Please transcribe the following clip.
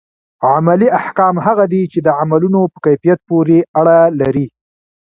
عملي احکام هغه دي چي د عملونو په کيفيت پوري اړه لري.